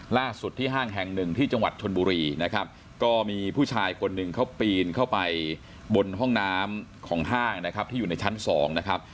ล่าสุดที่ห้างแห่งหนึ่งที่จังหวัดชนบุรีนะครับก็มีผู้ชายคนหนึ่งเขาปีนเข้าไปบนห้องน้ำของห้างนะครับที่อยู่ในชั้นสองนะครับ